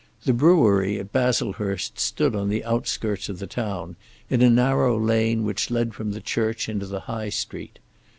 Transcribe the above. The brewery at Baslehurst stood on the outskirts of the town, in a narrow lane which led from the church into the High street.